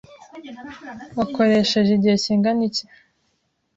Wakoresheje igihe kingana iki?